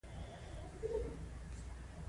د انجنیری تاریخ یو ډیر مهم او لومړنی څپرکی دی.